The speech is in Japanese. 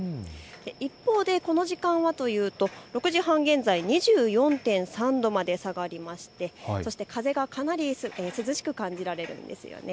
一方でこの時間はというと６時半現在、２４．３度まで下がりまして、そして風がかなり涼しく感じられるんですよね。